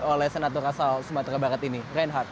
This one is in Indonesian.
oleh senat rasal sumatera barat ini reinhardt